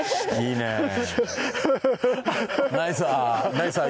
ナイス「あ」。